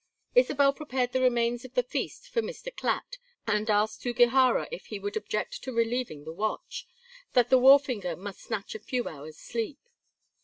Isabel prepared the remains of the feast for Mr. Clatt, and asked Sugihara if he would object to relieving the watch, that the wharfinger might snatch a few hours' sleep.